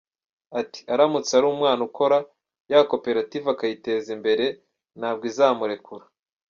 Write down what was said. Ati “aramutse ari umwana ukora, ya koperative akayiteza imbere, ntabwo izamurekura.